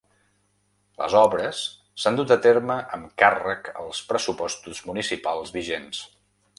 Les obres s’han dut a terme amb càrrec als pressupostos municipals vigents.